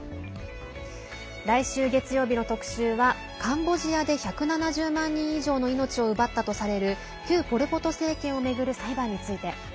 来週月曜日の特集はカンボジアで１７０万人以上の命を奪ったとされる旧ポル・ポト政権を巡る裁判について。